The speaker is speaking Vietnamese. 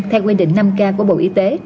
theo quy định năm k của bộ y tế